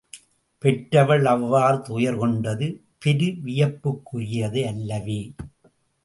பெற்றவள் அவ்வாறு துயர்கொண்டது பெருவியப்புக்குரியது அல்லவே?